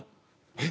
「えっ！